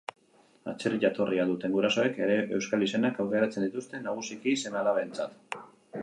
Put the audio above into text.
Atzerriko jatorria duten gurasoek ere euskal izenak aukeratzen dituzte nagusiki seme-alabentzat.